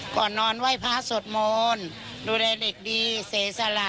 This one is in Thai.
ก่อนนอนไหว้พระศดโมนดูแลเด็กดีเสียสละค่ะ